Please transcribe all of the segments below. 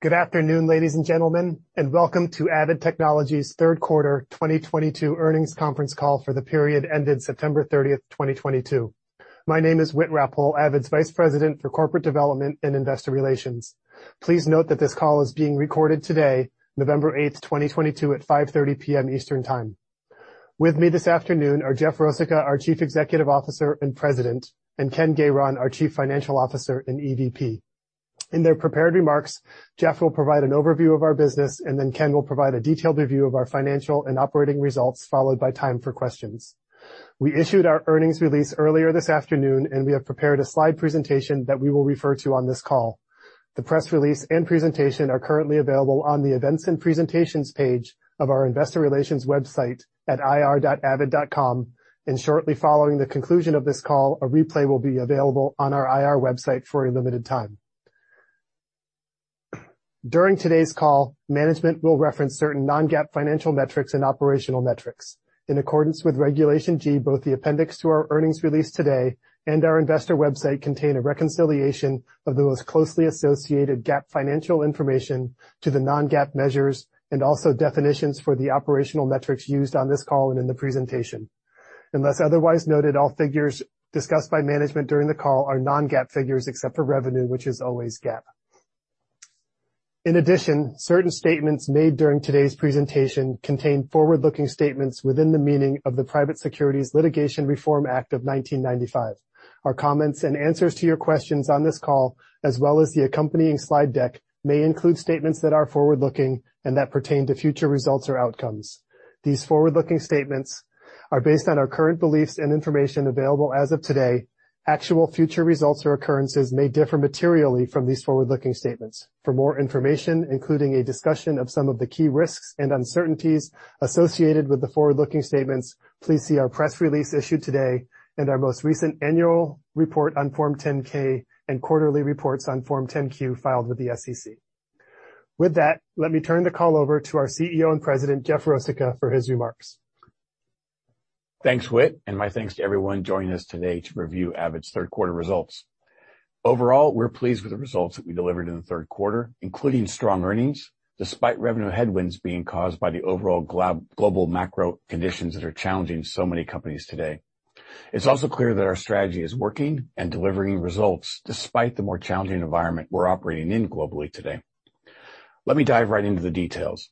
Good afternoon, ladies and gentlemen, and welcome to Avid Technology's third quarter 2022 earnings conference call for the period ended September 30, 2022. My name is Whit Rappole, Avid's Vice President for Corporate Development and Investor Relations. Please note that this call is being recorded today, November 8, 2022 at 5:30 P.M. Eastern Time. With me this afternoon are Jeff Rosica, our Chief Executive Officer and President, and Ken Gayron, our Chief Financial Officer and EVP. In their prepared remarks, Jeff will provide an overview of our business, and then Ken will provide a detailed review of our financial and operating results, followed by time for questions. We issued our earnings release earlier this afternoon, and we have prepared a slide presentation that we will refer to on this call. The press release and presentation are currently available on the Events and Presentations page of our investor relations website at ir.avid.com. Shortly following the conclusion of this call, a replay will be available on our IR website for a limited time. During today's call, management will reference certain non-GAAP financial metrics and operational metrics. In accordance with Regulation G, both the appendix to our earnings release today and our investor website contain a reconciliation of the most closely associated GAAP financial information to the non-GAAP measures, and also definitions for the operational metrics used on this call and in the presentation. Unless otherwise noted, all figures discussed by management during the call are non-GAAP figures, except for revenue, which is always GAAP. In addition, certain statements made during today's presentation contain forward-looking statements within the meaning of the Private Securities Litigation Reform Act of 1995. Our comments and answers to your questions on this call, as well as the accompanying slide deck, may include statements that are forward-looking and that pertain to future results or outcomes. These forward-looking statements are based on our current beliefs and information available as of today. Actual future results or occurrences may differ materially from these forward-looking statements. For more information, including a discussion of some of the key risks and uncertainties associated with the forward-looking statements, please see our press release issued today and our most recent annual report on Form 10-K and quarterly reports on Form 10-Q filed with the SEC. With that, let me turn the call over to our CEO and President, Jeff Rosica, for his remarks. Thanks, Whit, and my thanks to everyone joining us today to review Avid's third quarter results. Overall, we're pleased with the results that we delivered in the third quarter, including strong earnings, despite revenue headwinds being caused by the overall global macro conditions that are challenging so many companies today. It's also clear that our strategy is working and delivering results despite the more challenging environment we're operating in globally today. Let me dive right into the details.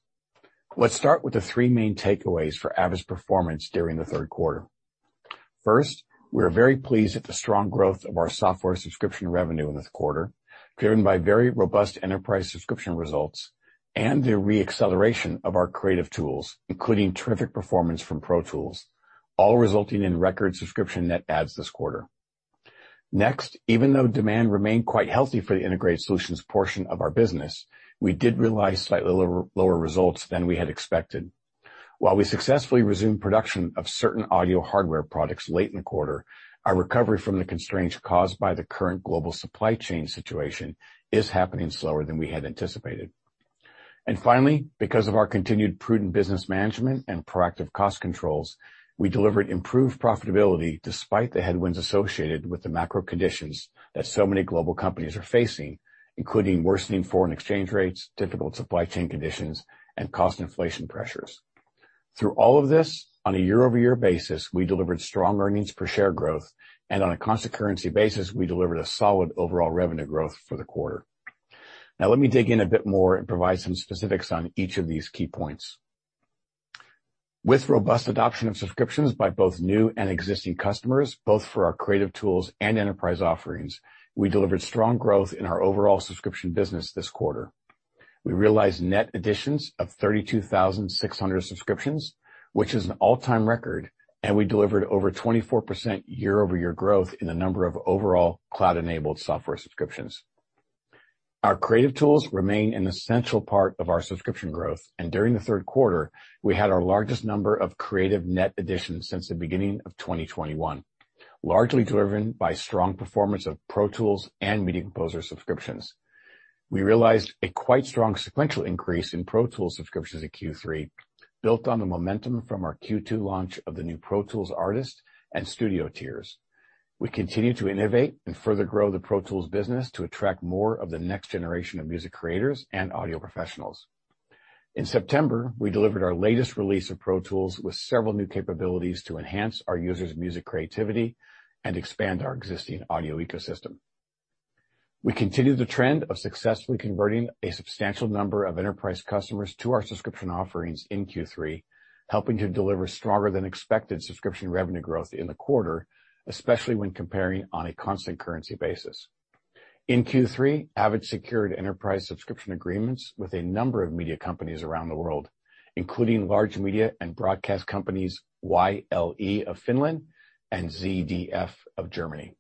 Let's start with the three main takeaways for Avid's performance during the third quarter. First, we are very pleased at the strong growth of our software subscription revenue in this quarter, driven by very robust enterprise subscription results and the re-acceleration of our creative tools, including terrific performance from Pro Tools, all resulting in record subscription net adds this quarter. Next, even though demand remained quite healthy for the integrated solutions portion of our business, we did realize slightly lower results than we had expected. While we successfully resumed production of certain audio hardware products late in the quarter, our recovery from the constraints caused by the current global supply chain situation is happening slower than we had anticipated. Finally, because of our continued prudent business management and proactive cost controls, we delivered improved profitability despite the headwinds associated with the macro conditions that so many global companies are facing, including worsening foreign exchange rates, difficult supply chain conditions, and cost inflation pressures. Through all of this, on a year-over-year basis, we delivered strong earnings per share growth, and on a constant currency basis, we delivered a solid overall revenue growth for the quarter. Now, let me dig in a bit more and provide some specifics on each of these key points. With robust adoption of subscriptions by both new and existing customers, both for our creative tools and enterprise offerings, we delivered strong growth in our overall subscription business this quarter. We realized net additions of 32,600 subscriptions, which is an all-time record, and we delivered over 24% year-over-year growth in the number of overall cloud-enabled software subscriptions. Our creative tools remain an essential part of our subscription growth, and during the third quarter, we had our largest number of creative net additions since the beginning of 2021, largely driven by strong performance of Pro Tools and Media Composer subscriptions. We realized quite a strong sequential increase in Pro Tools subscriptions at Q3, built on the momentum from our Q2 launch of the new Pro Tools Artist and Studio tiers. We continue to innovate and further grow the Pro Tools business to attract more of the next generation of music creators and audio professionals. In September, we delivered our latest release of Pro Tools with several new capabilities to enhance our users' music creativity and expand our existing audio ecosystem. We continued the trend of successfully converting a substantial number of enterprise customers to our subscription offerings in Q3, helping to deliver stronger than expected subscription revenue growth in the quarter, especially when comparing on a constant currency basis. In Q3, Avid secured enterprise subscription agreements with a number of media companies around the world, including large media and broadcast companies Yle of Finland and ZDF of Germany.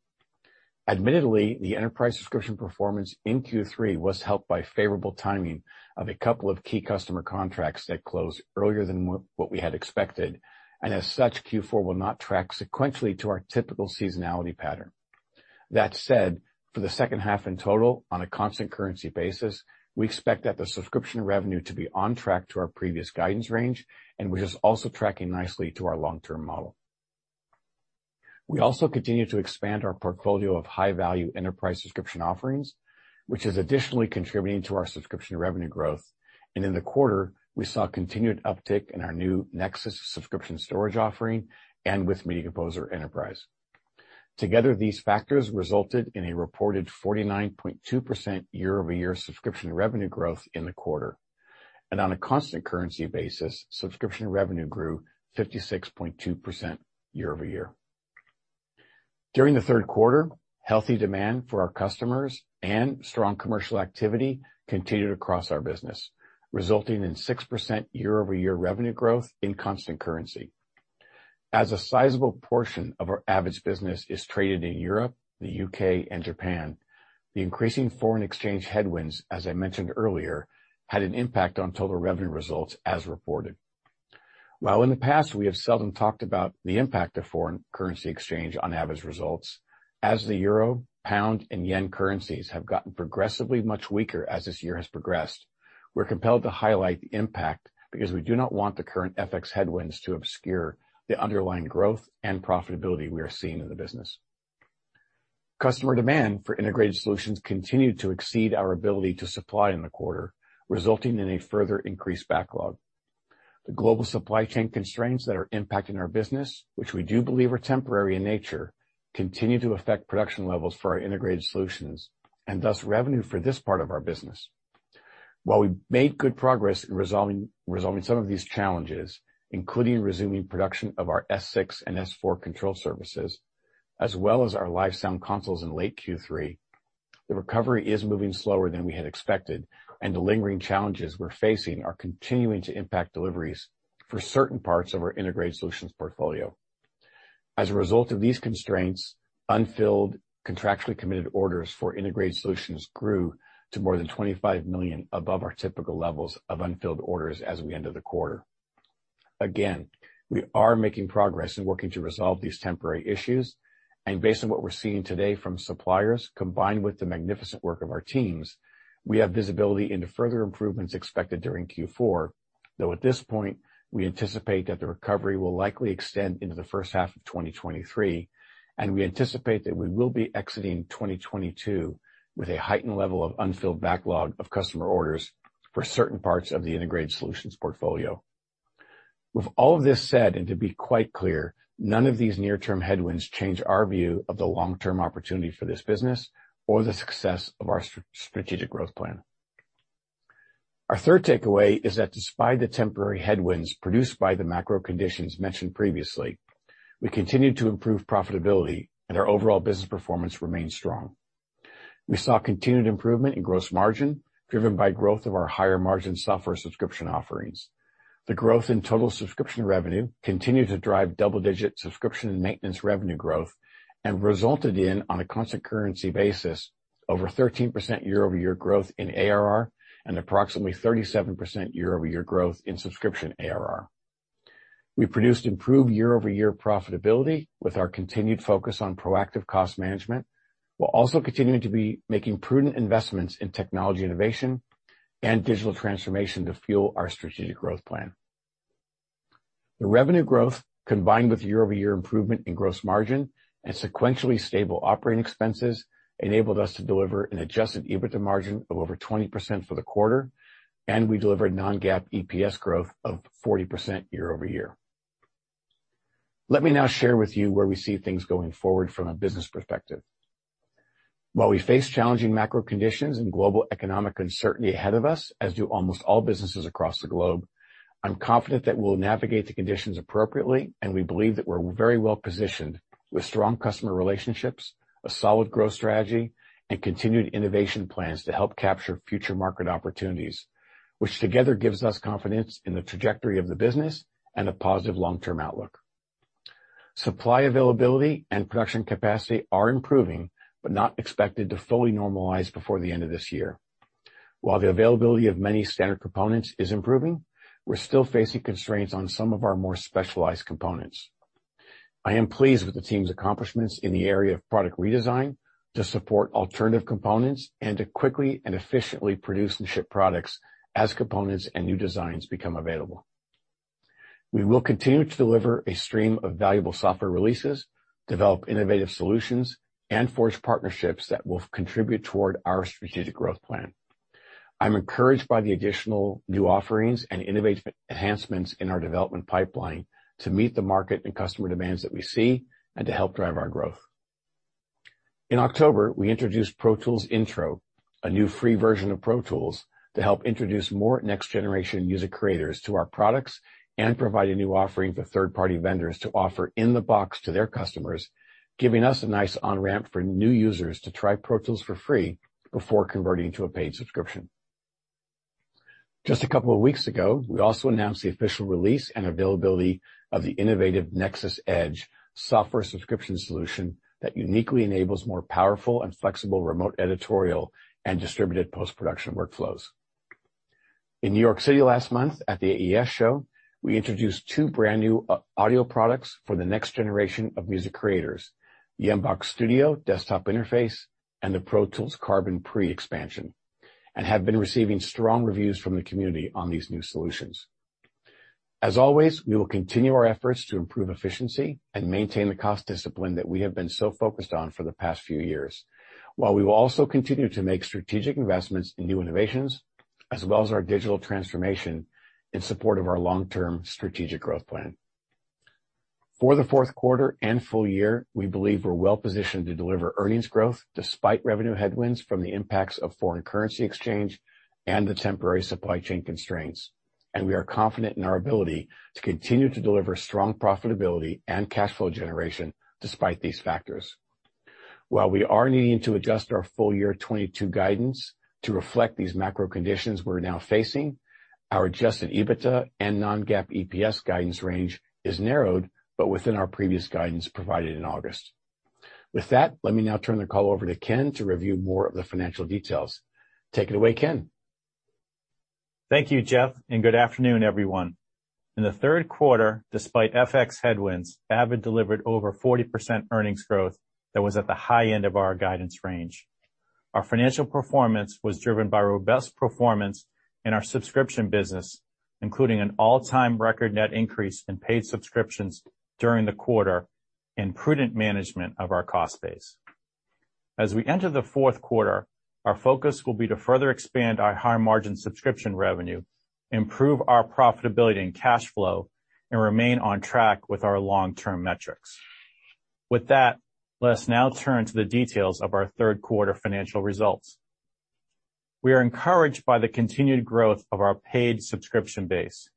Admittedly, the enterprise subscription performance in Q3 was helped by favorable timing of a couple of key customer contracts that closed earlier than what we had expected, and as such, Q4 will not track sequentially to our typical seasonality pattern. That said, for the second half in total, on a constant currency basis, we expect that the subscription revenue to be on track to our previous guidance range and which is also tracking nicely to our long-term model. We also continue to expand our portfolio of high-value enterprise subscription offerings, which is additionally contributing to our subscription revenue growth. In the quarter, we saw continued uptick in our new NEXIS subscription storage offering and with Media Composer Enterprise. Together, these factors resulted in a reported 49.2% year-over-year subscription revenue growth in the quarter. On a constant currency basis, subscription revenue grew 56.2% year-over-year. During the third quarter, healthy demand for our customers and strong commercial activity continued across our business, resulting in 6% year-over-year revenue growth in constant currency. As a sizable portion of Avid's business is traded in Europe, the U.K., and Japan, the increasing foreign exchange headwinds, as I mentioned earlier, had an impact on total revenue results as reported. While in the past, we have seldom talked about the impact of foreign currency exchange on Avid's results, as the euro, pound, and yen currencies have gotten progressively much weaker as this year has progressed, we're compelled to highlight the impact because we do not want the current FX headwinds to obscure the underlying growth and profitability we are seeing in the business. Customer demand for integrated solutions continued to exceed our ability to supply in the quarter, resulting in a further increased backlog. The global supply chain constraints that are impacting our business, which we do believe are temporary in nature, continue to affect production levels for our integrated solutions, and thus, revenue for this part of our business. While we've made good progress in resolving some of these challenges, including resuming production of our S6 and S4 control surfaces, as well as our live sound consoles in late Q3, the recovery is moving slower than we had expected, and the lingering challenges we're facing are continuing to impact deliveries for certain parts of our integrated solutions portfolio. As a result of these constraints, unfilled contractually committed orders for integrated solutions grew to more than $25 million above our typical levels of unfilled orders as we ended the quarter. Again, we are making progress in working to resolve these temporary issues. Based on what we're seeing today from suppliers, combined with the magnificent work of our teams, we have visibility into further improvements expected during Q4. Though at this point, we anticipate that the recovery will likely extend into the first half of 2023, and we anticipate that we will be exiting 2022 with a heightened level of unfilled backlog of customer orders for certain parts of the integrated solutions portfolio. With all of this said, and to be quite clear, none of these near-term headwinds change our view of the long-term opportunity for this business or the success of our strategic growth plan. Our third takeaway is that despite the temporary headwinds produced by the macro conditions mentioned previously, we continue to improve profitability and our overall business performance remains strong. We saw continued improvement in gross margin driven by growth of our higher margin software subscription offerings. The growth in total subscription revenue continued to drive double-digit subscription and maintenance revenue growth and resulted in, on a constant currency basis, over 13% year-over-year growth in ARR and approximately 37% year-over-year growth in subscription ARR. We produced improved year-over-year profitability with our continued focus on proactive cost management, while also continuing to be making prudent investments in technology innovation and digital transformation to fuel our strategic growth plan. The revenue growth, combined with year-over-year improvement in gross margin and sequentially stable operating expenses, enabled us to deliver an adjusted EBITDA margin of over 20% for the quarter, and we delivered non-GAAP EPS growth of 40% year-over-year. Let me now share with you where we see things going forward from a business perspective. While we face challenging macro conditions and global economic uncertainty ahead of us, as do almost all businesses across the globe, I'm confident that we'll navigate the conditions appropriately, and we believe that we're very well-positioned with strong customer relationships, a solid growth strategy, and continued innovation plans to help capture future market opportunities, which together gives us confidence in the trajectory of the business and a positive long-term outlook. Supply availability and production capacity are improving, but not expected to fully normalize before the end of this year. While the availability of many standard components is improving, we're still facing constraints on some of our more specialized components. I am pleased with the team's accomplishments in the area of product redesign to support alternative components and to quickly and efficiently produce and ship products as components and new designs become available. We will continue to deliver a stream of valuable software releases, develop innovative solutions, and forge partnerships that will contribute toward our strategic growth plan. I'm encouraged by the additional new offerings and innovative enhancements in our development pipeline to meet the market and customer demands that we see and to help drive our growth. In October, we introduced Pro Tools Intro, a new free version of Pro Tools, to help introduce more next-generation music creators to our products and provide a new offering for third-party vendors to offer in the box to their customers, giving us a nice on-ramp for new users to try Pro Tools for free before converting to a paid subscription. Just a couple of weeks ago, we also announced the official release and availability of the innovative NEXIS | EDGE software subscription solution that uniquely enables more powerful and flexible remote editorial and distributed post-production workflows. In New York City last month at the AES Show, we introduced two brand new audio products for the next generation of music creators, the MBOX Studio desktop interface and the Pro Tools Carbon Pre expansion, and have been receiving strong reviews from the community on these new solutions. As always, we will continue our efforts to improve efficiency and maintain the cost discipline that we have been so focused on for the past few years. While we will also continue to make strategic investments in new innovations, as well as our digital transformation in support of our long-term strategic growth plan. For the fourth quarter and full year, we believe we're well-positioned to deliver earnings growth despite revenue headwinds from the impacts of foreign currency exchange and the temporary supply chain constraints, and we are confident in our ability to continue to deliver strong profitability and cash flow generation despite these factors. While we are needing to adjust our full year 2022 guidance to reflect these macro conditions we're now facing, our adjusted EBITDA and non-GAAP EPS guidance range is narrowed, but within our previous guidance provided in August. With that, let me now turn the call over to Ken to review more of the financial details. Take it away, Ken. Thank you, Jeff, and good afternoon, everyone. In the third quarter, despite FX headwinds, Avid delivered over 40% earnings growth that was at the high end of our guidance range. Our financial performance was driven by robust performance in our subscription business, including an all-time record net increase in paid subscriptions during the quarter and prudent management of our cost base. As we enter the fourth quarter, our focus will be to further expand our higher-margin subscription revenue, improve our profitability and cash flow, and remain on track with our long-term metrics. With that, let us now turn to the details of our third quarter financial results. We are encouraged by the continued growth of our paid subscription base.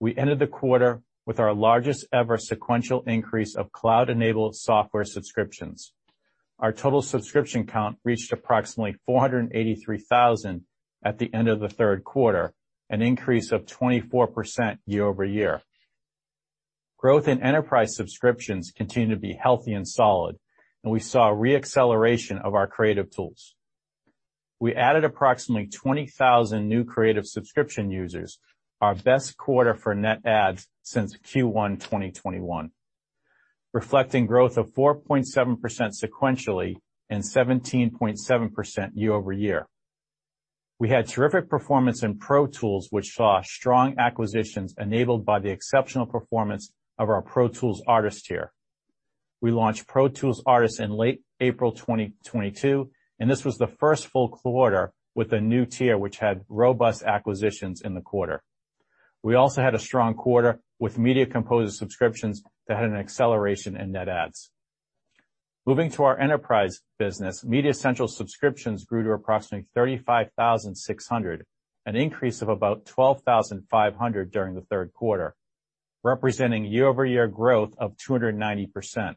We ended the quarter with our largest-ever sequential increase of cloud-enabled software subscriptions. Our total subscription count reached approximately 483,000 at the end of the third quarter, an increase of 24% year-over-year. Growth in enterprise subscriptions continue to be healthy and solid, and we saw a re-acceleration of our creative tools. We added approximately 20,000 new creative subscription users, our best quarter for net adds since Q1 2021, reflecting growth of 4.7% sequentially and 17.7% year-over-year. We had terrific performance in Pro Tools, which saw strong acquisitions enabled by the exceptional performance of our Pro Tools Artist tier. We launched Pro Tools Artist in late April 2022, and this was the first full quarter with a new tier, which had robust acquisitions in the quarter. We also had a strong quarter with Media Composer subscriptions that had an acceleration in net adds. Moving to our enterprise business, MediaCentral subscriptions grew to approximately 35,600, an increase of about 12,500 during the third quarter, representing year-over-year growth of 290%.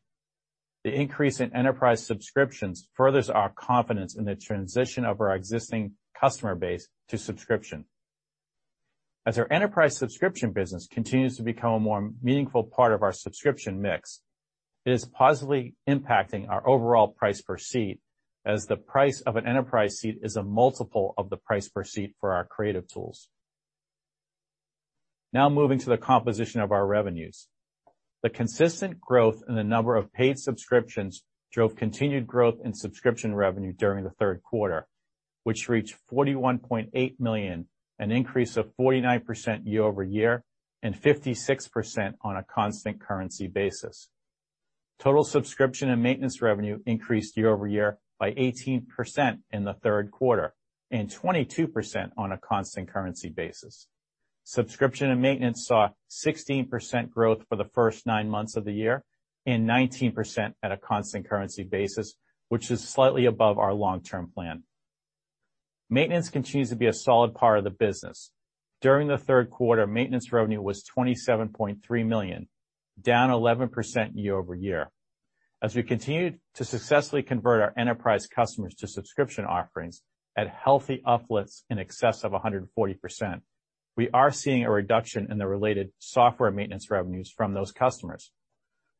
The increase in enterprise subscriptions furthers our confidence in the transition of our existing customer base to subscription. As our enterprise subscription business continues to become a more meaningful part of our subscription mix, it is positively impacting our overall price per seat, as the price of an enterprise seat is a multiple of the price per seat for our creative tools. Now moving to the composition of our revenues. The consistent growth in the number of paid subscriptions drove continued growth in subscription revenue during the third quarter, which reached $41.8 million, an increase of 49% year-over-year and 56% on a constant currency basis. Total subscription and maintenance revenue increased year-over-year by 18% in the third quarter and 22% on a constant currency basis. Subscription and maintenance saw 16% growth for the first nine months of the year and 19% at a constant currency basis, which is slightly above our long-term plan. Maintenance continues to be a solid part of the business. During the third quarter, maintenance revenue was $27.3 million, down 11% year-over-year. As we continued to successfully convert our enterprise customers to subscription offerings at healthy uplifts in excess of 140%, we are seeing a reduction in the related software maintenance revenues from those customers.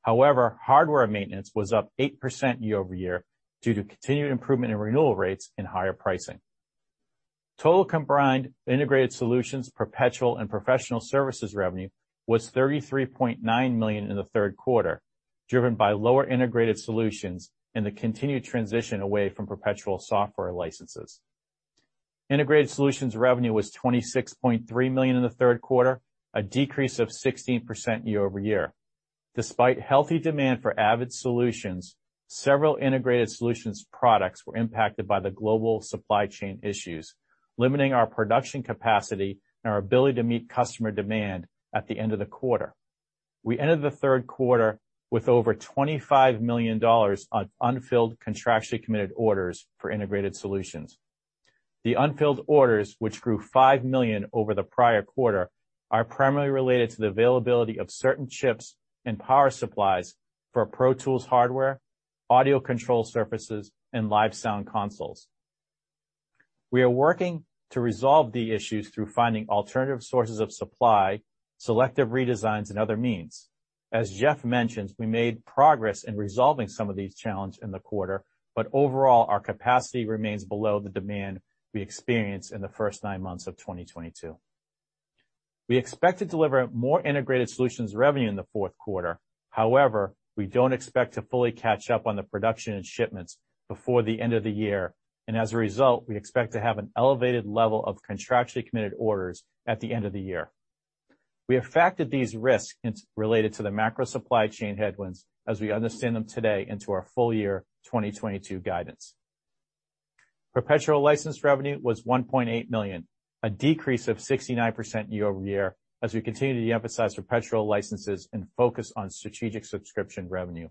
However, hardware maintenance was up 8% year-over-year due to continued improvement in renewal rates and higher pricing. Total combined Integrated Solutions, Perpetual and Professional Services revenue was $33.9 million in the third quarter, driven by lower Integrated Solutions and the continued transition away from perpetual software licenses. Integrated Solutions revenue was $26.3 million in the third quarter, a decrease of 16% year-over-year. Despite healthy demand for Avid solutions, several Integrated Solutions products were impacted by the global supply chain issues, limiting our production capacity and our ability to meet customer demand at the end of the quarter. We ended the third quarter with over $25 million on unfilled contractually committed orders for Integrated Solutions. The unfilled orders, which grew $5 million over the prior quarter, are primarily related to the availability of certain chips and power supplies for Pro Tools hardware, audio control surfaces, and live sound consoles. We are working to resolve the issues through finding alternative sources of supply, selective redesigns, and other means. As Jeff mentioned, we made progress in resolving some of these challenges in the quarter, but overall, our capacity remains below the demand we experienced in the first nine months of 2022. We expect to deliver more Integrated Solutions revenue in the fourth quarter. However, we don't expect to fully catch up on the production and shipments before the end of the year. As a result, we expect to have an elevated level of contractually committed orders at the end of the year. We have factored these risks related to the macro supply chain headwinds as we understand them today into our full year 2022 guidance. Perpetual license revenue was $1.8 million, a decrease of 69% year-over-year as we continue to de-emphasize perpetual licenses and focus on strategic subscription revenue.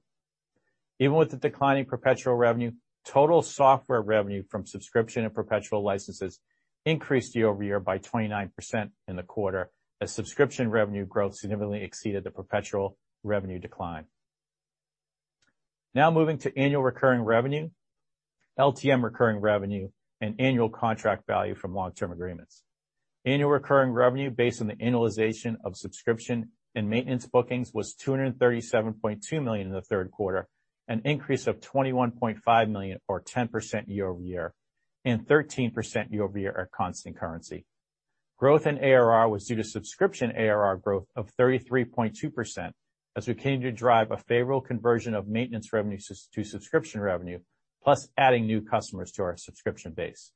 Even with the declining perpetual revenue, total software revenue from subscription and perpetual licenses increased year-over-year by 29% in the quarter, as subscription revenue growth significantly exceeded the perpetual revenue decline. Now moving to annual recurring revenue, LTM recurring revenue, and annual contract value from long-term agreements. Annual recurring revenue based on the annualization of subscription and maintenance bookings was $237.2 million in the third quarter, an increase of $21.5 million or 10% year-over-year, and 13% year-over-year at constant currency. Growth in ARR was due to subscription ARR growth of 33.2% as we continue to drive a favorable conversion of maintenance revenue to subscription revenue, plus adding new customers to our subscription base.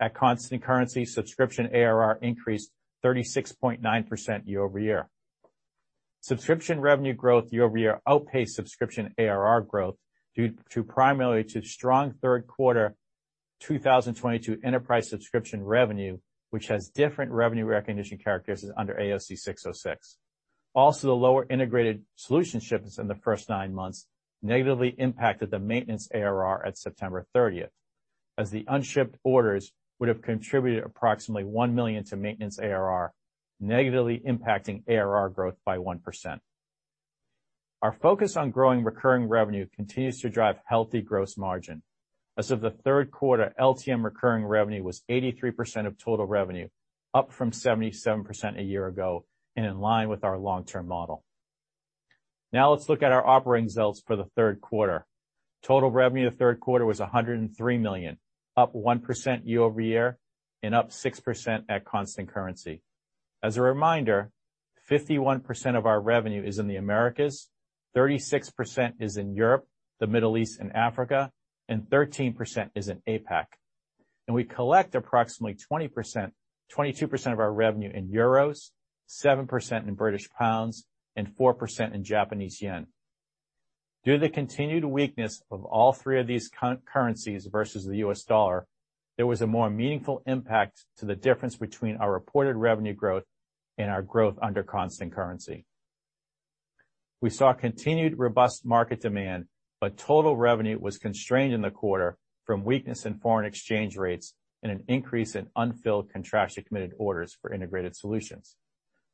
At constant currency, subscription ARR increased 36.9% year-over-year. Subscription revenue growth year-over-year outpaced subscription ARR growth due primarily to strong third quarter 2022 enterprise subscription revenue, which has different revenue recognition characteristics under ASC 606. Also, the lower integrated solution shipments in the first nine months negatively impacted the maintenance ARR at September 30, as the unshipped orders would have contributed approximately $1 million to maintenance ARR, negatively impacting ARR growth by 1%. Our focus on growing recurring revenue continues to drive healthy gross margin. As of the third quarter, LTM recurring revenue was 83% of total revenue, up from 77% a year ago and in line with our long-term model. Now let's look at our operating results for the third quarter. Total revenue in the third quarter was $103 million, up 1% year-over-year and up 6% at constant currency. As a reminder, 51% of our revenue is in the Americas, 36% is in Europe, the Middle East and Africa, and 13% is in APAC. We collect approximately 22% of our revenue in euros, 7% in British pounds, and 4% in Japanese yen. Due to the continued weakness of all three of these currencies versus the U.S. Dollar, there was a more meaningful impact to the difference between our reported revenue growth and our growth under constant currency. We saw continued robust market demand, but total revenue was constrained in the quarter from weakness in foreign exchange rates and an increase in unfilled contractually committed orders for integrated solutions.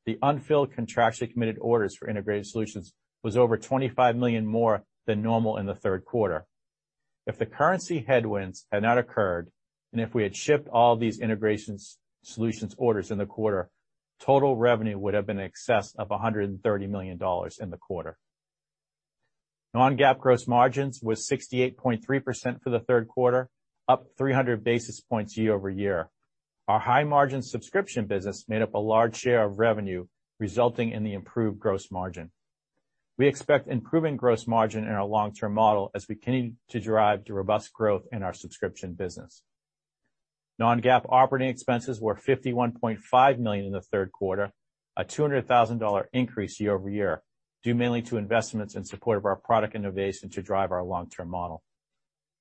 The unfilled contractually committed orders for integrated solutions was over $25 million more than normal in the third quarter. If the currency headwinds had not occurred, and if we had shipped all these integrated solutions orders in the quarter, total revenue would have been in excess of $130 million in the quarter. Non-GAAP gross margins was 68.3% for the third quarter, up 300 basis points year-over-year. Our high-margin subscription business made up a large share of revenue resulting in the improved gross margin. We expect improving gross margin in our long-term model as we continue to drive the robust growth in our subscription business. Non-GAAP operating expenses were $51.5 million in the third quarter, a $200,000 increase year-over-year, due mainly to investments in support of our product innovation to drive our long-term model.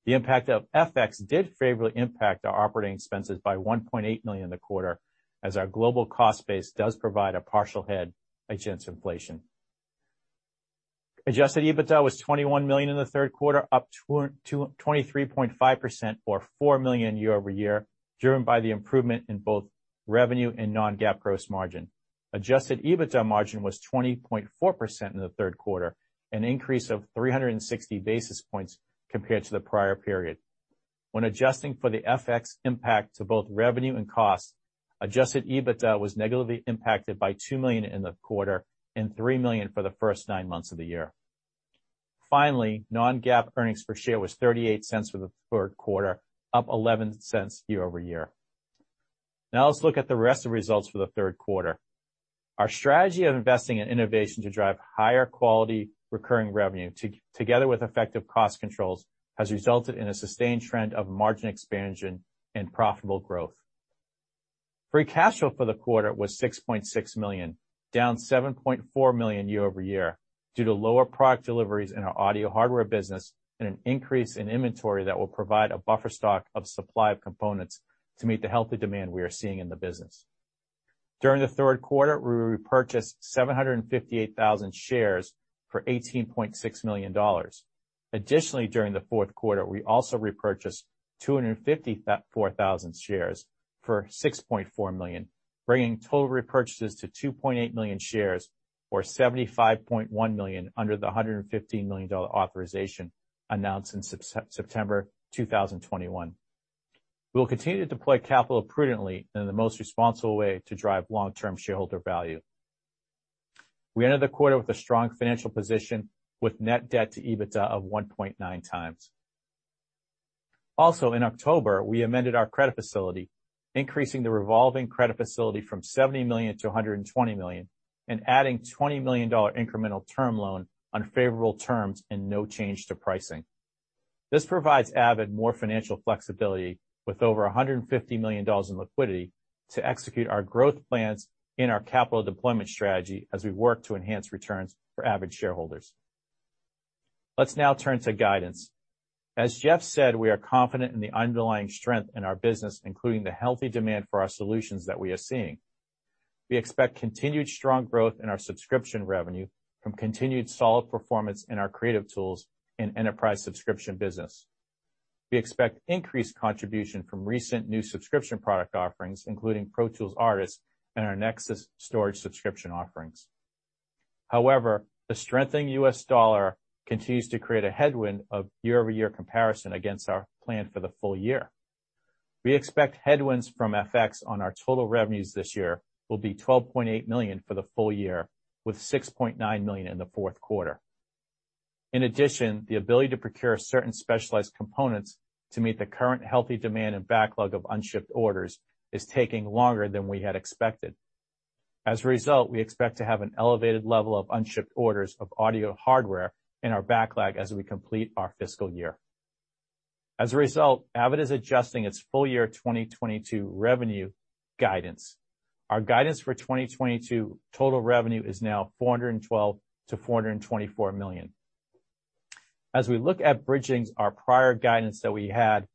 The impact of FX did favorably impact our operating expenses by $1.8 million in the quarter, as our global cost base does provide a partial hedge against inflation. Adjusted EBITDA was $21 million in the third quarter, up 23.5% or $4 million year-over-year, driven by the improvement in both revenue and non-GAAP gross margin. Adjusted EBITDA margin was 20.4% in the third quarter, an increase of 360 basis points compared to the prior period. When adjusting for the FX impact to both revenue and cost, adjusted EBITDA was negatively impacted by $2 million in the quarter and $3 million for the first nine months of the year. Finally, non-GAAP earnings per share was $0.38 for the third quarter, up $0.11 year over year. Now let's look at the rest of the results for the third quarter. Our strategy of investing in innovation to drive higher quality recurring revenue together with effective cost controls, has resulted in a sustained trend of margin expansion and profitable growth. Free cash flow for the quarter was $6.6 million, down $7.4 million year-over-year due to lower product deliveries in our audio hardware business and an increase in inventory that will provide a buffer stock of supply of components to meet the healthy demand we are seeing in the business. During the third quarter, we repurchased 758,000 shares for $18.6 million. Additionally, during the fourth quarter, we also repurchased 254,000 shares for $6.4 million, bringing total repurchases to 2.8 million shares or $75.1 million under the $115 million authorization announced in September 2021. We will continue to deploy capital prudently in the most responsible way to drive long-term shareholder value. We ended the quarter with a strong financial position with net debt to EBITDA of 1.9x. Also, in October, we amended our credit facility, increasing the revolving credit facility from $70 million to $120 million and adding $20 million incremental term loan on favorable terms and no change to pricing. This provides Avid more financial flexibility with over $150 million in liquidity to execute our growth plans and our capital deployment strategy as we work to enhance returns for Avid shareholders. Let's now turn to guidance. As Jeff said, we are confident in the underlying strength in our business, including the healthy demand for our solutions that we are seeing. We expect continued strong growth in our subscription revenue from continued solid performance in our creative tools and enterprise subscription business. We expect increased contribution from recent new subscription product offerings, including Pro Tools Artist and our NEXIS storage subscription offerings. However, the strengthening U.S. dollar continues to create a headwind of year-over-year comparison against our plan for the full year. We expect headwinds from FX on our total revenues this year will be $12.8 million for the full year, with $6.9 million in the fourth quarter. In addition, the ability to procure certain specialized components to meet the current healthy demand and backlog of unshipped orders is taking longer than we had expected. As a result, we expect to have an elevated level of unshipped orders of audio hardware in our backlog as we complete our fiscal year. As a result, Avid is adjusting its full year 2022 revenue guidance. Our guidance for 2022 total revenue is now $412 million-$424 million. We look at bridging our prior guidance that we had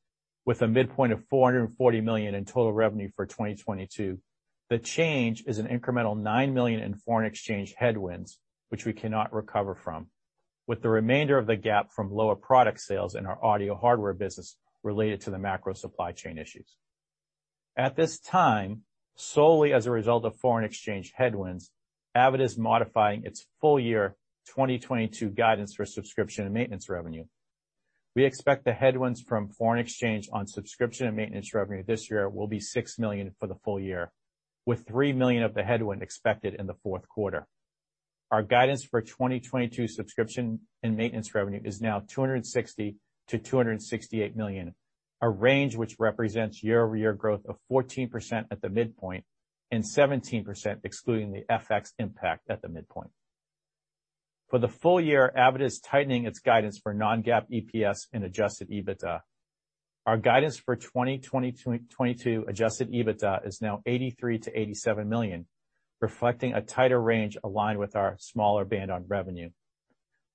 with a midpoint of $440 million in total revenue for 2022, the change is an incremental $9 million in foreign exchange headwinds, which we cannot recover from, with the remainder of the gap from lower product sales in our audio hardware business related to the macro supply chain issues. At this time, solely as a result of foreign exchange headwinds, Avid is modifying its full year 2022 guidance for subscription and maintenance revenue. We expect the headwinds from foreign exchange on subscription and maintenance revenue this year will be $6 million for the full year, with $3 million of the headwind expected in the fourth quarter. Our guidance for 2022 subscription and maintenance revenue is now $260 million-$268 million, a range which represents year-over-year growth of 14% at the midpoint and 17% excluding the FX impact at the midpoint. For the full year, Avid is tightening its guidance for non-GAAP EPS and adjusted EBITDA. Our guidance for 2022 adjusted EBITDA is now $83 million-$87 million, reflecting a tighter range aligned with our smaller band on revenue.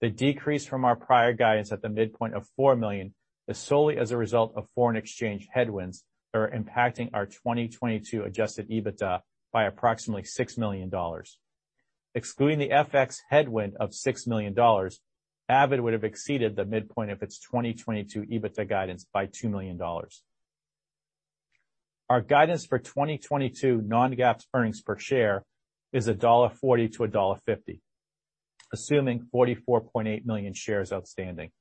The decrease from our prior guidance at the midpoint of $4 million is solely as a result of foreign exchange headwinds that are impacting our 2022 adjusted EBITDA by approximately $6 million. Excluding the FX headwind of $6 million, Avid would have exceeded the midpoint of its 2022 EBITDA guidance by $2 million. Our guidance for 2022 non-GAAP earnings per share is $1.40-$1.50, assuming 44.8 million shares outstanding.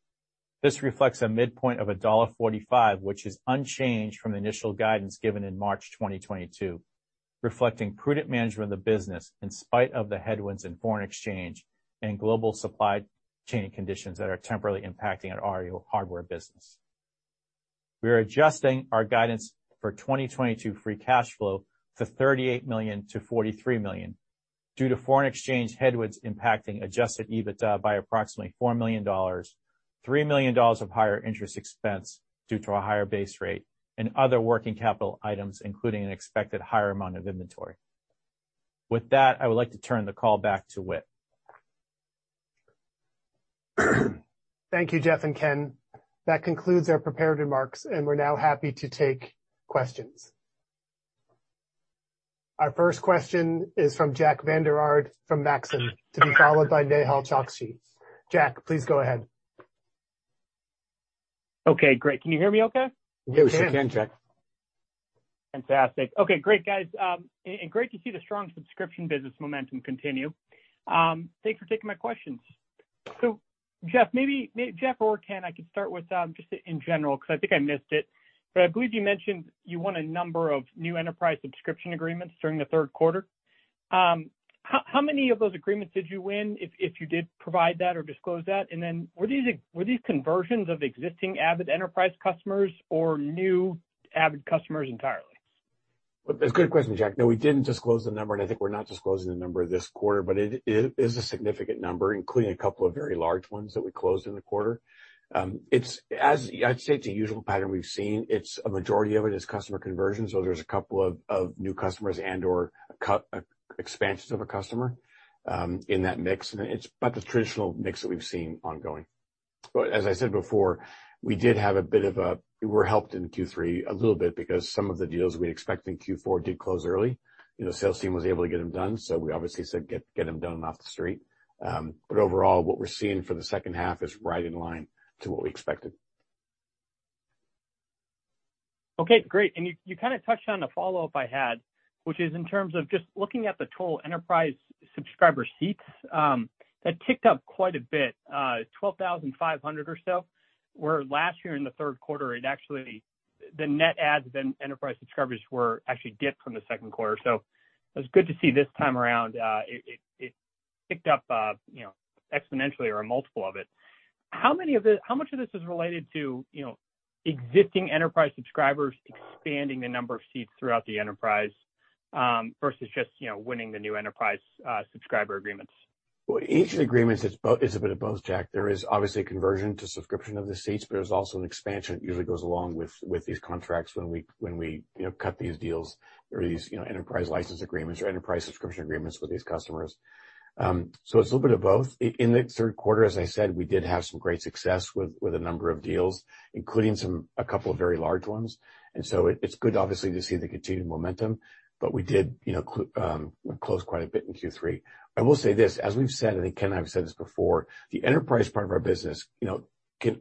This reflects a midpoint of $1.45, which is unchanged from the initial guidance given in March 2022, reflecting prudent management of the business in spite of the headwinds in foreign exchange and global supply chain conditions that are temporarily impacting our audio hardware business. We are adjusting our guidance for 2022 free cash flow to $38 million-$43 million due to foreign exchange headwinds impacting adjusted EBITDA by approximately $4 million, $3 million of higher interest expense due to a higher base rate and other working capital items, including an expected higher amount of inventory. With that, I would like to turn the call back to Whit. Thank you, Jeff and Ken. That concludes our prepared remarks, and we're now happy to take questions. Our first question is from Jack Vander Aarde from Maxim, to be followed by Nehal Chokshi. Jack, please go ahead. Okay, great. Can you hear me okay? Yes, we can, Jack. Fantastic. Okay, great, guys. And great to see the strong subscription business momentum continue. Thanks for taking my questions. Jeff or Ken, I could start with just in general, 'cause I think I missed it, but I believe you mentioned you won a number of new enterprise subscription agreements during the third quarter. How many of those agreements did you win, if you did provide that or disclose that? Were these conversions of existing Avid enterprise customers or new Avid customers entirely? Well, that's a good question, Jack. No, we didn't disclose the number, and I think we're not disclosing the number this quarter. It is a significant number, including a couple of very large ones that we closed in the quarter. As I'd say, it's a usual pattern we've seen. It's a majority of it is customer conversion, so there's a couple of new customers and/or expansions of a customer in that mix. It's about the traditional mix that we've seen ongoing. As I said before, we were helped in Q3 a little bit because some of the deals we had expected in Q4 did close early. You know, the sales team was able to get them done, so we obviously said, "Get them done and off the street." Overall, what we're seeing for the second half is right in line with what we expected. Okay, great. You kinda touched on the follow-up I had, which is in terms of just looking at the total enterprise subscriber seats, that ticked up quite a bit, 12,500 or so, where last year in the third quarter it actually, the net adds in enterprise subscribers were actually dipped from the second quarter. It was good to see this time around, it ticked up, you know, exponentially or a multiple of it. How much of this is related to, you know, existing enterprise subscribers expanding the number of seats throughout the enterprise? Versus just, you know, winning the new enterprise, subscriber agreements. Well, each agreement is a bit of both, Jack. There is obviously conversion to subscription of the seats, but there's also an expansion that usually goes along with these contracts when we you know cut these deals or these you know enterprise license agreements or enterprise subscription agreements with these customers. It's a little bit of both. In the third quarter, as I said, we did have some great success with a number of deals, including a couple of very large ones. It's good obviously to see the continued momentum. We did, you know, close quite a bit in Q3. I will say this, as we've said, I think Ken and I have said this before, the enterprise part of our business, you know, can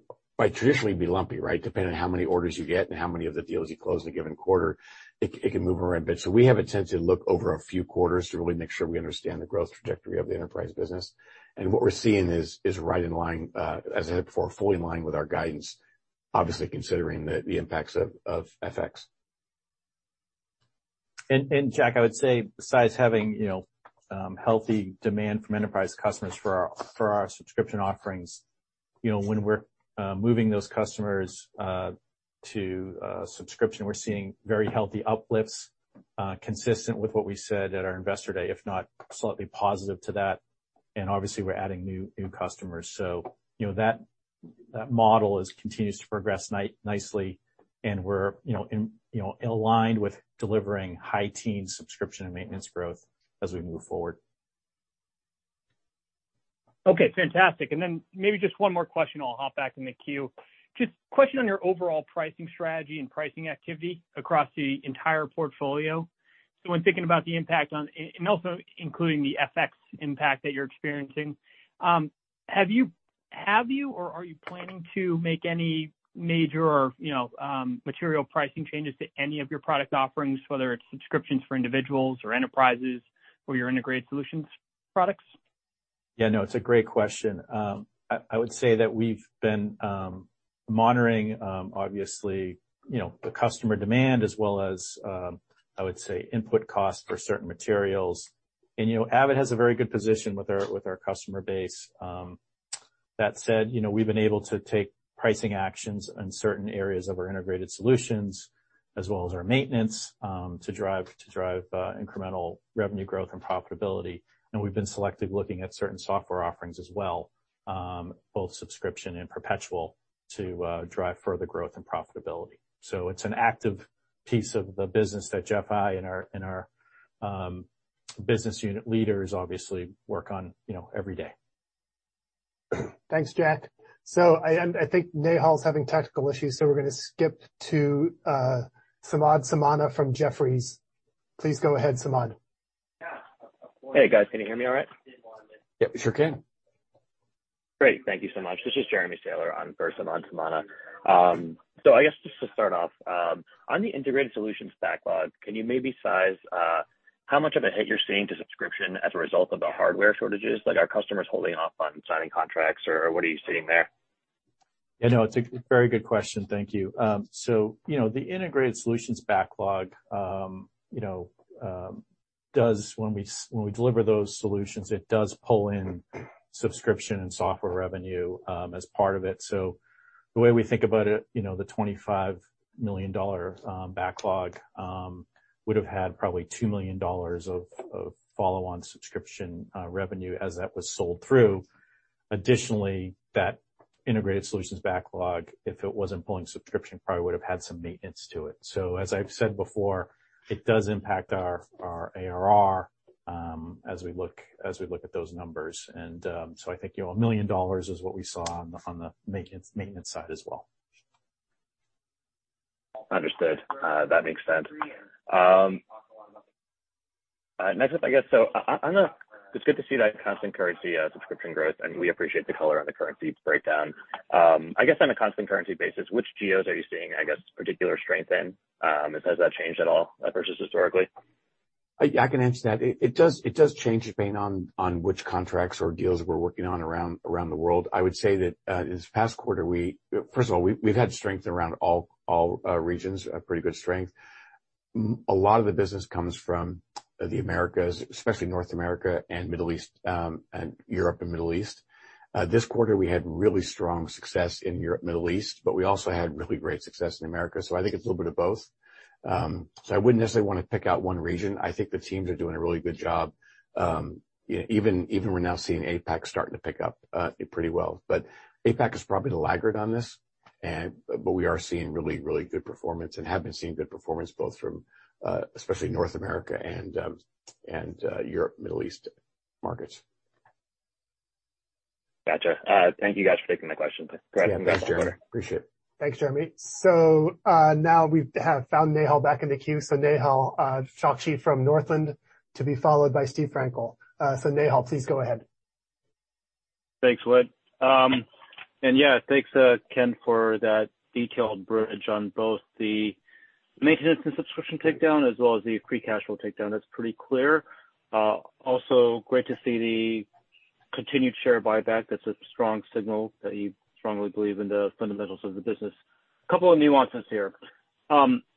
traditionally be lumpy, right? Depending on how many orders you get and how many of the deals you close in a given quarter, it can move around a bit. We have a tendency to look over a few quarters to really make sure we understand the growth trajectory of the enterprise business. What we're seeing is right in line, as I said before, fully in line with our guidance, obviously considering the impacts of FX. Jack, I would say besides having, you know, healthy demand from enterprise customers for our subscription offerings, you know, when we're moving those customers to subscription, we're seeing very healthy uplifts consistent with what we said at our investor day, if not slightly positive to that. Obviously we're adding new customers. You know, that model continues to progress nicely, and we're, you know, aligned with delivering high teen subscription and maintenance growth as we move forward. Okay, fantastic. Maybe just one more question, I'll hop back in the queue. Just question on your overall pricing strategy and pricing activity across the entire portfolio. When thinking about the impact on and also including the FX impact that you're experiencing, have you or are you planning to make any major or, you know, material pricing changes to any of your product offerings, whether it's subscriptions for individuals or enterprises or your integrated solutions products? Yeah, no, it's a great question. I would say that we've been monitoring obviously, you know, the customer demand as well as I would say, input costs for certain materials. You know, Avid has a very good position with our customer base. That said, you know, we've been able to take pricing actions in certain areas of our integrated solutions as well as our maintenance to drive incremental revenue growth and profitability. We've been selective looking at certain software offerings as well, both subscription and perpetual, to drive further growth and profitability. It's an active piece of the business that Jeff and I and our business unit leaders obviously work on, you know, every day. Thanks, Jack. I think Nehal's having technical issues, so we're gonna skip to Samad Samana from Jefferies. Please go ahead, Samad. Hey, guys. Can you hear me all right? Yep, sure can. Great. Thank you so much. This is Jeremy Sahler on for Samad Samana. I guess just to start off, on the integrated solutions backlog, can you maybe size how much of a hit you're seeing to subscription as a result of the hardware shortages? Like, are customers holding off on signing contracts or what are you seeing there? Yeah, no, it's a very good question. Thank you. You know, the integrated solutions backlog does, when we deliver those solutions, it does pull in subscription and software revenue as part of it. The way we think about it, you know, the $25 million backlog would've had probably $2 million of follow-on subscription revenue as that was sold through. Additionally, that integrated solutions backlog, if it wasn't pulling subscription, probably would've had some maintenance to it. As I've said before, it does impact our ARR as we look at those numbers. I think, you know, $1 million is what we saw on the maintenance side as well. Understood. That makes sense. Next up, I guess, it's good to see that constant currency subscription growth, and we appreciate the color on the currency breakdown. I guess on a constant currency basis, which geos are you seeing, I guess, particular strength in? Has that changed at all versus historically? I can answer that. It does change depending on which contracts or deals we're working on around the world. I would say that this past quarter, we've had strength around all regions, pretty good strength. A lot of the business comes from the Americas, especially North America and Middle East, and Europe and Middle East. This quarter we had really strong success in Europe, Middle East, but we also had really great success in America, so I think it's a little bit of both. I wouldn't necessarily want to pick out one region. I think the teams are doing a really good job. Even we're now seeing APAC starting to pick up pretty well. APAC is probably the laggard on this, but we are seeing really, really good performance and have been seeing good performance both from, especially North America and Europe, Middle East markets. Gotcha. Thank you guys for taking my questions. Yeah. Thanks, Jeremy. Appreciate it. Thanks, Jeremy. Now we have found Nehal back in the queue. Nehal Chokshi from Northland, to be followed by Steve Frankel. Nehal, please go ahead. Thanks, Whit. Yeah, thanks, Ken, for that detailed bridge on both the maintenance and subscription takedown as well as the free cash flow takedown. That's pretty clear. Also great to see the continued share buyback. That's a strong signal that you strongly believe in the fundamentals of the business. Couple of nuances here.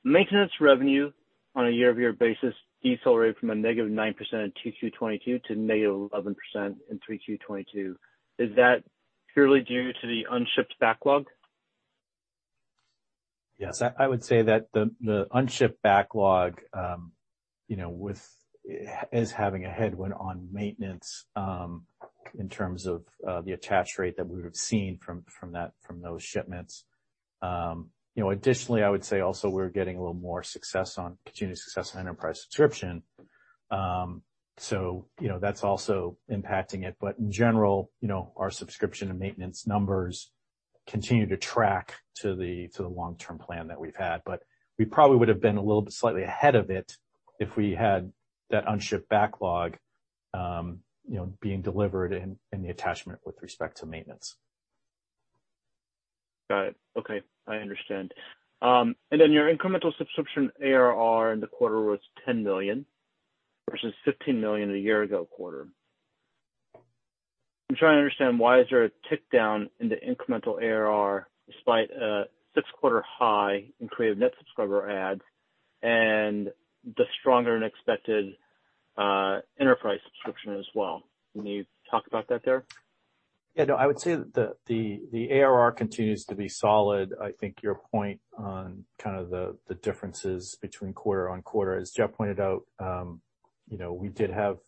Maintenance revenue on a year-over-year basis decelerated from a -9% in 2Q 2022 to -11% in 3Q 2022. Is that purely due to the unshipped backlog? Yes, I would say that the unshipped backlog is having a headwind on maintenance in terms of the attach rate that we would've seen from those shipments. You know, additionally, I would say also we're getting continued success on enterprise subscription. You know, that's also impacting it. In general, you know, our subscription and maintenance numbers continue to track to the long-term plan that we've had. We probably would've been a little slightly ahead of it if we had that unshipped backlog being delivered and the attachment with respect to maintenance. Got it. Okay. I understand. Your incremental subscription ARR in the quarter was $10 million versus $15 million a year-ago quarter. I'm trying to understand why is there a tick down in the incremental ARR despite a six-quarter high in creative net subscriber adds and the stronger than expected, enterprise subscription as well. Can you talk about that there? Yeah. No, I would say that the ARR continues to be solid. I think your point on kind of the differences between quarter-on-quarter, as Jeff pointed out, you know, we did have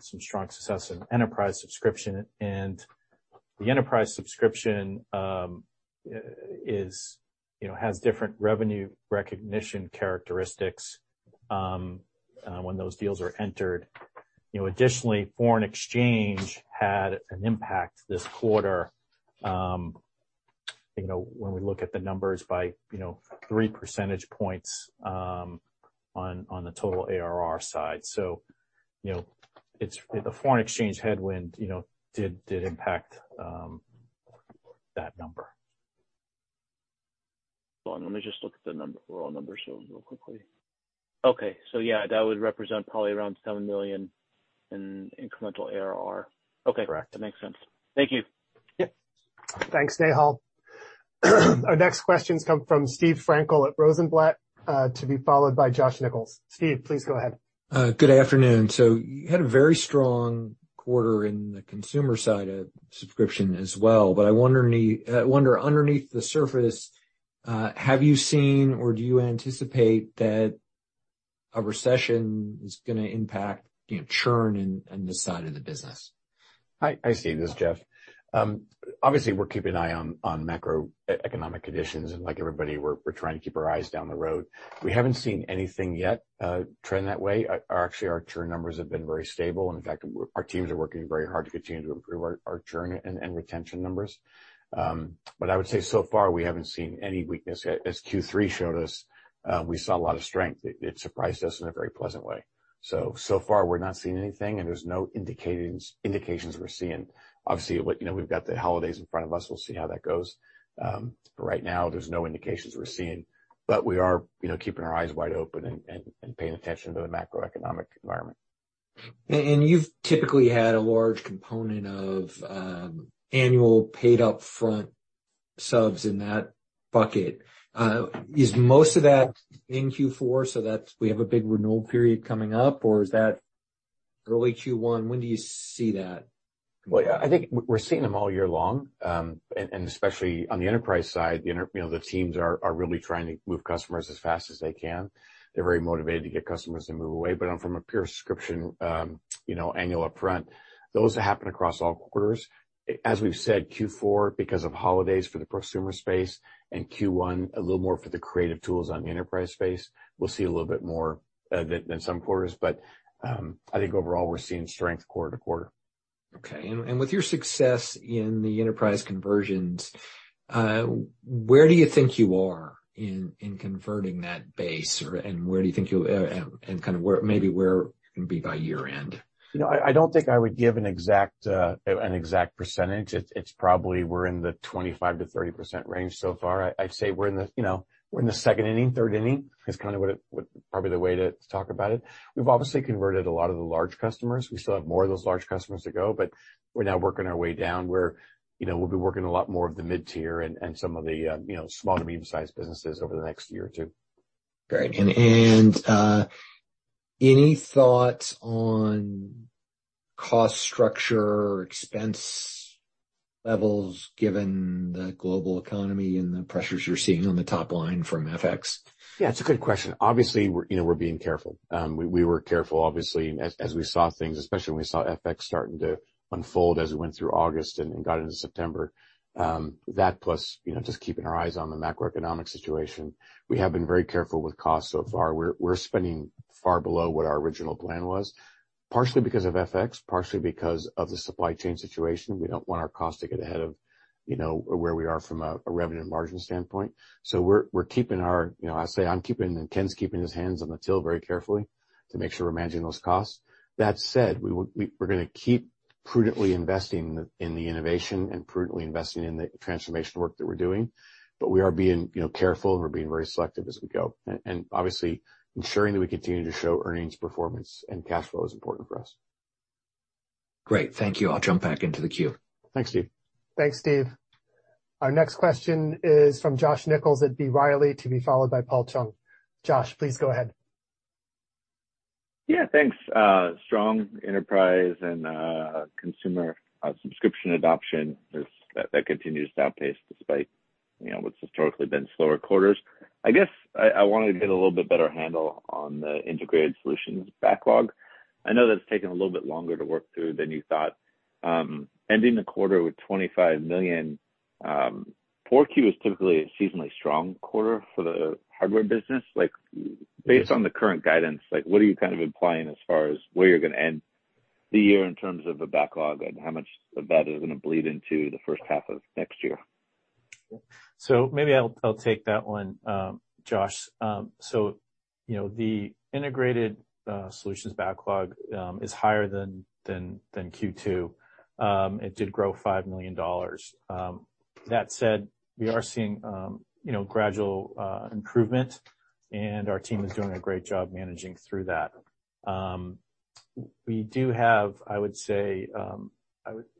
some strong success in enterprise subscription. The enterprise subscription is, you know, has different revenue recognition characteristics when those deals are entered. You know, additionally, foreign exchange had an impact this quarter, you know, when we look at the numbers by 3 percentage points on the total ARR side. You know, it's the foreign exchange headwind, you know, did impact that number. Well, let me just look at the raw numbers real quickly. Okay. Yeah, that would represent probably around $7 million in incremental ARR. Okay. Correct. That makes sense. Thank you. Yeah. Thanks, Nehal. Our next questions come from Steve Frankel at Rosenblatt, to be followed by Josh Nichols. Steve, please go ahead. Good afternoon. You had a very strong quarter in the consumer side of subscription as well, but I wonder underneath the surface, have you seen or do you anticipate that a recession is gonna impact, you know, churn in this side of the business? Hi. Hi, Steve. This is Jeff. Obviously, we're keeping an eye on macroeconomic conditions, and like everybody, we're trying to keep our eyes down the road. We haven't seen anything yet, trending that way. Actually, our churn numbers have been very stable. In fact, our teams are working very hard to continue to improve our churn and retention numbers. I would say so far we haven't seen any weakness. As Q3 showed us, we saw a lot of strength. It surprised us in a very pleasant way. So far we're not seeing anything, and there's no indications we're seeing. Obviously, you know, we've got the holidays in front of us. We'll see how that goes. Right now, there's no indications we're seeing. We are, you know, keeping our eyes wide open and paying attention to the macroeconomic environment. You've typically had a large component of annual paid up-front subs in that bucket. Is most of that in Q4 so that's when we have a big renewal period coming up, or is that early Q1? When do you see that? Well, yeah, I think we're seeing them all year long. Especially on the enterprise side, you know, the teams are really trying to move customers as fast as they can. They're very motivated to get customers to move away. From a pure subscription, you know, annual up-front, those happen across all quarters. As we've said, Q4, because of holidays for the prosumer space, and Q1, a little more for the creative tools on the enterprise space, we'll see a little bit more than some quarters. I think overall we're seeing strength quarter to quarter. With your success in the enterprise conversions, where do you think you are in converting that base, and kind of where it's gonna be by year-end? I don't think I would give an exact percentage. It's probably we're in the 25%-30% range so far. I'd say we're in the second inning, third inning, is kinda what probably the way to talk about it. We've obviously converted a lot of the large customers. We still have more of those large customers to go, but we're now working our way down where we'll be working a lot more of the mid-tier and some of the small to medium-sized businesses over the next year or two. Great. Any thoughts on cost structure or expense levels given the global economy and the pressures you're seeing on the top line from FX? Yeah, it's a good question. Obviously, we're, you know, we're being careful. We were careful, obviously, as we saw things, especially when we saw FX starting to unfold as we went through August and got into September. That plus, you know, just keeping our eyes on the macroeconomic situation. We have been very careful with costs so far. We're spending far below what our original plan was, partially because of FX, partially because of the supply chain situation. We don't want our costs to get ahead of, you know, where we are from a revenue and margin standpoint. So we're keeping our, you know, I say I'm keeping and Ken's keeping his hands on the till very carefully to make sure we're managing those costs. That said, we're gonna keep prudently investing in the innovation and prudently investing in the transformation work that we're doing, but we are being, you know, careful, and we're being very selective as we go. Obviously ensuring that we continue to show earnings performance and cash flow is important for us. Great. Thank you. I'll jump back into the queue. Thanks, Steve. Thanks, Steve. Our next question is from Josh Nichols at B. Riley to be followed by Paul Chung. Josh, please go ahead. Yeah, thanks. Strong enterprise and consumer subscription adoption continues to outpace despite, you know, what's historically been slower quarters. I guess I wanted to get a little bit better handle on the integrated solutions backlog. I know that's taken a little bit longer to work through than you thought. Ending the quarter with $25 million, 4Q is typically a seasonally strong quarter for the hardware business. Like, based on the current guidance, like, what are you kind of implying as far as where you're gonna end the year in terms of the backlog and how much of that is gonna bleed into the first half of next year? Maybe I'll take that one, Josh. You know, the integrated solutions backlog is higher than Q2. It did grow $5 million. That said, we are seeing you know, gradual improvement, and our team is doing a great job managing through that. We do have, I would say,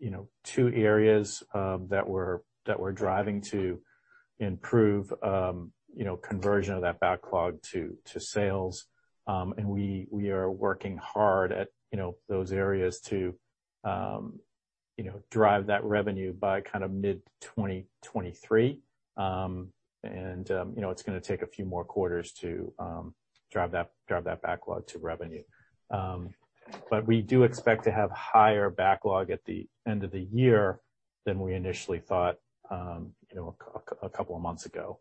you know, two areas that we're driving to improve, you know, conversion of that backlog to sales. We are working hard at, you know, those areas to drive that revenue by kind of mid-2023. You know, it's gonna take a few more quarters to drive that backlog to revenue. We do expect to have higher backlog at the end of the year than we initially thought, you know, a couple of months ago.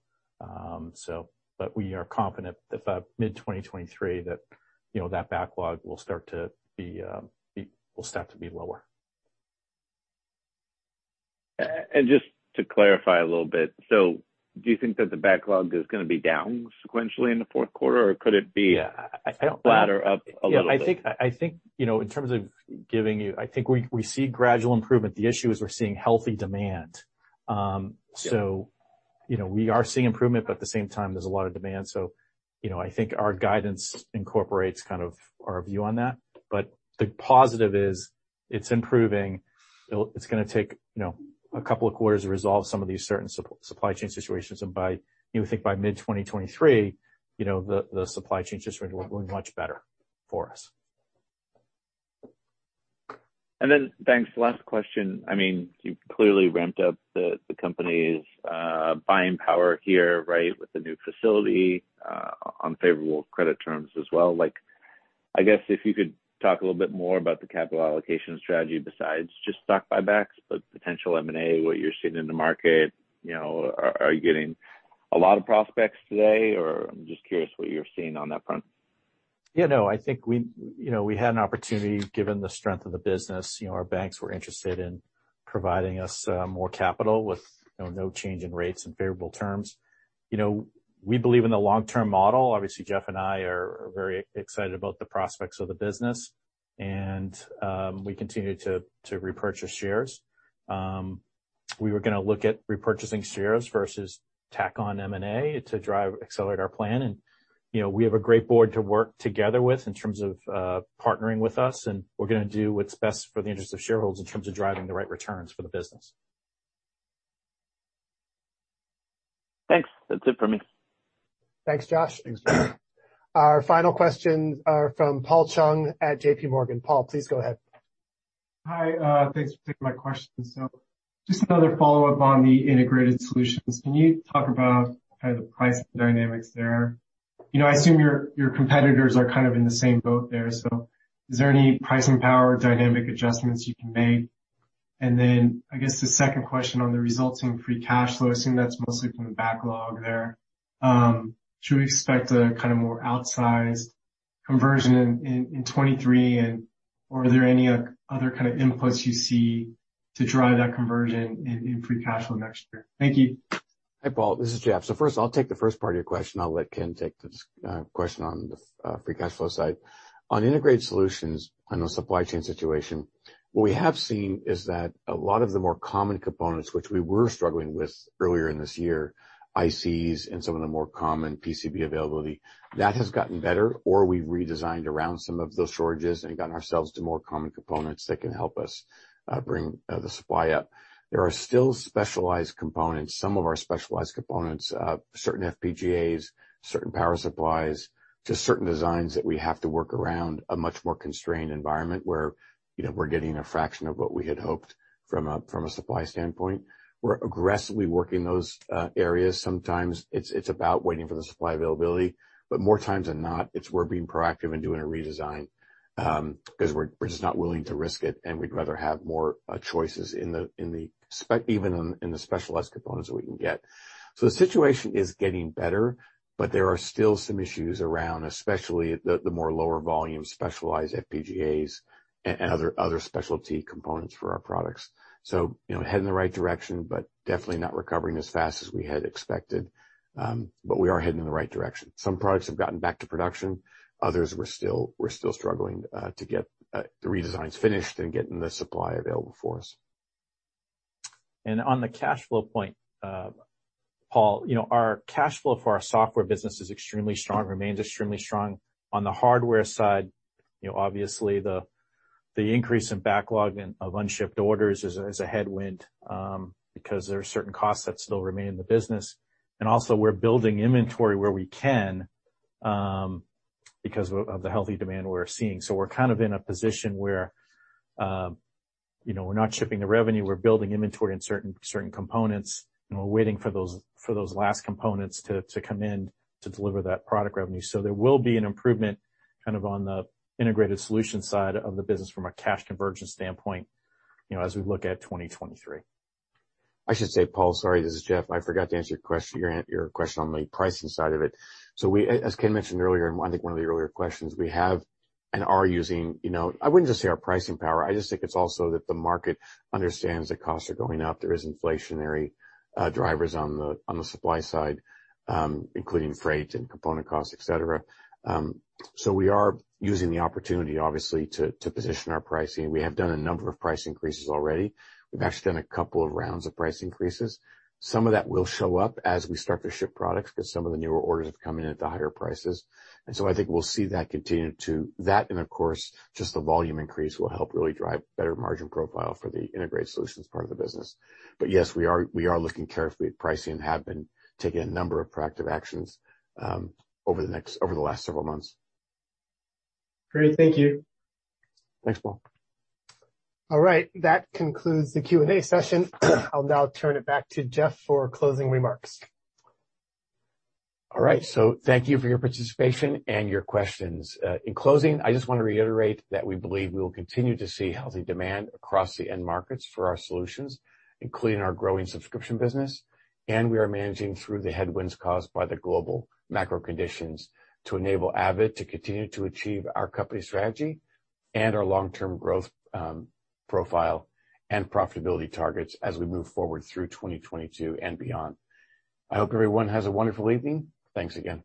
We are confident that by mid-2023, you know, that backlog will start to be lower. Just to clarify a little bit, so do you think that the backlog is gonna be down sequentially in the fourth quarter, or could it be? Yeah. I don't Flatter up a little bit? Yeah. I think you know we see gradual improvement. The issue is we're seeing healthy demand. You know, we are seeing improvement, but at the same time, there's a lot of demand. You know, I think our guidance incorporates kind of our view on that, but the positive is it's improving. It's gonna take you know a couple of quarters to resolve some of these certain supply chain situations. By you know, I think by mid-2023, you know, the supply chain situation will be much better for us. Thanks. Last question. I mean, you've clearly ramped up the company's buying power here, right, with the new facility on favorable credit terms as well. Like, I guess if you could talk a little bit more about the capital allocation strategy besides just stock buybacks, but potential M&A, what you're seeing in the market. You know, are you getting a lot of prospects today, or I'm just curious what you're seeing on that front. Yeah, no. I think we, you know, we had an opportunity, given the strength of the business. You know, our banks were interested in providing us more capital with, you know, no change in rates and favorable terms. You know, we believe in the long-term model. Obviously, Jeff and I are very excited about the prospects of the business. We continue to repurchase shares. We were gonna look at repurchasing shares versus tack on M&A to accelerate our plan. We have a great board to work together with in terms of partnering with us, and we're gonna do what's best for the interest of shareholders in terms of driving the right returns for the business. Thanks. That's it for me. Thanks, Josh. Thanks, Josh. Our final questions are from Paul Chung at JPMorgan. Paul, please go ahead. Hi, thanks for taking my question. Just another follow-up on the integrated solutions. Can you talk about kind of the price dynamics there? You know, I assume your competitors are kind of in the same boat there, so is there any pricing power dynamic adjustments you can make? Then I guess the second question on the results in free cash flow, assuming that's mostly from the backlog there, should we expect a kinda more outsized conversion in 2023 or are there any other kind of inputs you see to drive that conversion in free cash flow next year? Thank you. Hi, Paul. This is Jeff. First, I'll take the first part of your question. I'll let Ken take the question on the free cash flow side. On integrated solutions on the supply chain situation, what we have seen is that a lot of the more common components which we were struggling with earlier in this year, ICs and some of the more common PCB availability, that has gotten better or we've redesigned around some of those shortages and gotten ourselves to more common components that can help us bring the supply up. There are still specialized components, some of our specialized components, certain FPGAs, certain power supplies, just certain designs that we have to work around a much more constrained environment where, you know, we're getting a fraction of what we had hoped from a supply standpoint. We're aggressively working those areas. Sometimes it's about waiting for the supply availability, but more times than not, it's we're being proactive in doing a redesign, 'cause we're just not willing to risk it, and we'd rather have more choices even in the specialized components that we can get. The situation is getting better, but there are still some issues around, especially the more lower volume specialized FPGAs and other specialty components for our products. You know, heading in the right direction, but definitely not recovering as fast as we had expected. We are heading in the right direction. Some products have gotten back to production. Others we're still struggling to get the redesigns finished and getting the supply available for us. On the cash flow point, Paul, you know, our cash flow for our software business is extremely strong, remains extremely strong. On the hardware side, you know, obviously the The increase in backlog and of unshipped orders is a headwind because there are certain costs that still remain in the business. Also we're building inventory where we can because of the healthy demand we're seeing. We're kind of in a position where you know, we're not shipping the revenue, we're building inventory in certain components, and we're waiting for those last components to come in to deliver that product revenue. There will be an improvement kind of on the integrated solutions side of the business from a cash conversion standpoint you know, as we look at 2023. I should say, Paul, sorry, this is Jeff. I forgot to answer your question on the pricing side of it. As Ken mentioned earlier, and I think one of the earlier questions, we have and are using, you know, I wouldn't just say our pricing power, I just think it's also that the market understands that costs are going up. There is inflationary drivers on the supply side, including freight and component costs, et cetera. We are using the opportunity obviously to position our pricing. We have done a number of price increases already. We've actually done a couple of rounds of price increases. Some of that will show up as we start to ship products because some of the newer orders have come in at the higher prices. I think we'll see that continue to that. Of course, just the volume increase will help really drive better margin profile for the integrated solutions part of the business. Yes, we are looking carefully at pricing and have been taking a number of proactive actions over the last several months. Great. Thank you. Thanks, Paul. All right, that concludes the Q&A session. I'll now turn it back to Jeff for closing remarks. All right. Thank you for your participation and your questions. In closing, I just wanna reiterate that we believe we will continue to see healthy demand across the end markets for our solutions, including our growing subscription business. We are managing through the headwinds caused by the global macro conditions to enable Avid to continue to achieve our company strategy and our long-term growth profile and profitability targets as we move forward through 2022 and beyond. I hope everyone has a wonderful evening. Thanks again.